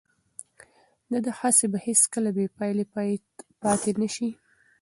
د ده هڅې به هیڅکله بې پایلې پاتې نه شي.